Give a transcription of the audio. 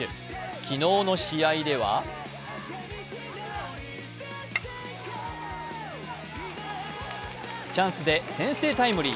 昨日の試合ではチャンスで先制タイムリー。